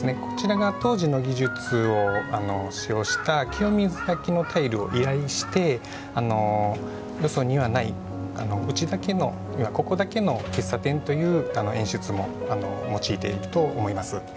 こちらが当時の技術を使用した清水焼のタイルを依頼してよそにはないうちだけのここだけの喫茶店という演出も用いていると思います。